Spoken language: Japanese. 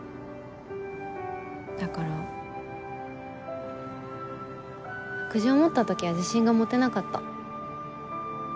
だから白杖を持った時は自信が持てなかった。